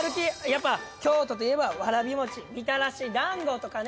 やっぱ京都といえばわらび餅みたらし団子とかね。